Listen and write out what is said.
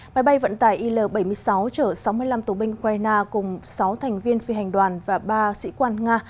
máy bay vận tải il bảy mươi sáu chở sáu mươi năm tù binh ukraine cùng sáu thành viên phi hành đoàn và ba sĩ quan nga